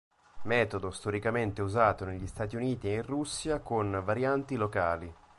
Metodo storicamente usato negli Stati Uniti e in Russia, con varianti locali.